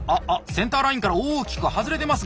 センターラインから大きく外れてますが！